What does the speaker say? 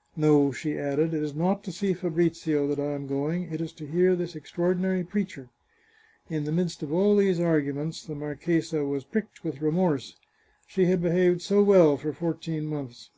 ... No," she added, " it is not to see Fabrizio that I am going, it is to hear this extraordinary preacher." In the mixlst of all these arguments the marchesa was pricked with remorse. She had behaved so well for fourteen months